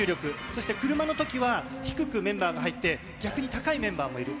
そして、車のときは低くメンバーが入って、逆に高いメンバーもいる。